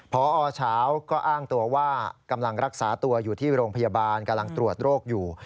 พอเช้าก็อ้างตัวว่ากำลังรักษาตัวอยู่ที่โรงพยาบาลกำลังตรวจโรคอยู่